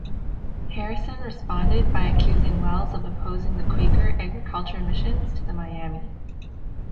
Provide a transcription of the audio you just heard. Harrison responded by accusing Wells of opposing the Quaker Agriculture missions to the Miami.